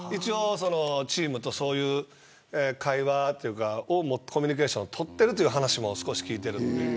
チームとそういうコミュニケーションを取っているという話も聞いています。